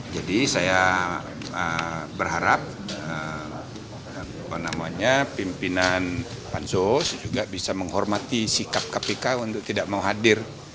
jadi saya berharap pimpinan pansus juga bisa menghormati sikap kpk untuk tidak mau hadir